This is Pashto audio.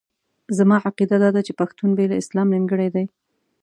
زما عقیده داده چې پښتون بې له اسلام نیمګړی دی.